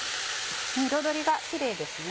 彩りがキレイですね。